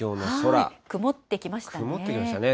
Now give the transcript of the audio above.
曇ってきましたね。